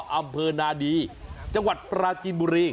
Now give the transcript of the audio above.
อำเภอนาดีจังหวัดปราจีนบุรี